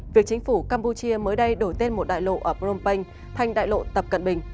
việc chính phủ campuchia mới đây đổi tên một đại lộ ở phnom penh thành đại lộ tập cận bình